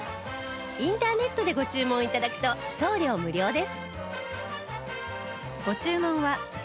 インターネットでご注文頂くと送料無料です